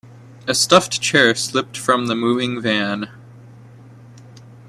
A stuffed chair slipped from the moving van.